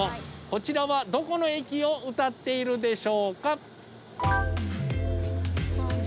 こちらはどこの駅を歌っているでしょうか？